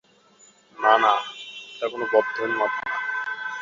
না, না এটা কোন বদ্ধউন্মাদ না।